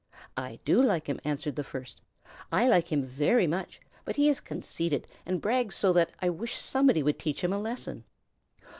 "I do like him," answered the first. "I like him very much, but he is conceited and brags so that I wish somebody would teach him a lesson."